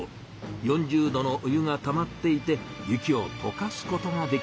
４０℃のお湯がたまっていて雪を溶かすことができるんです。